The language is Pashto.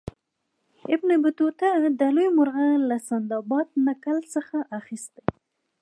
ابن بطوطه دا لوی مرغه له سندباد نکل څخه اخیستی.